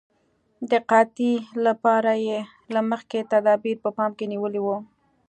د قحطۍ لپاره یې له مخکې تدابیر په پام کې نیولي وو.